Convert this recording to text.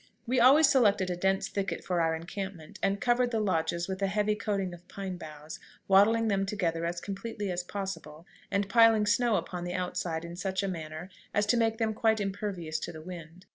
We always selected a dense thicket for our encampment, and covered the lodges with a heavy coating of pine boughs, wattling them together as compactly as possible, and piling snow upon the outside in such a manner as to make them quite impervious to the wind.